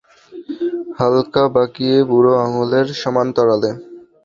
হালকা বাঁকিয়ে, বুড়ো আঙুলের সমান্তরালে।